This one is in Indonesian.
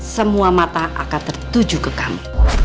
semua mata akan tertuju ke kamu